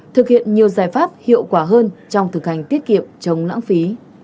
thực hiện nhiều giải pháp hiệu quả hơn trong thực hành tiết kiệm chống lãng phí